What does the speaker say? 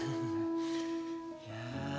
いや。